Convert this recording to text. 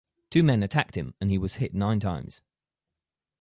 Two men attacked him and he was hit nine times.